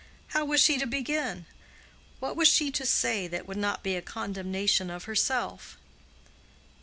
How was she to begin? What was she to say that would not be a condemnation of herself?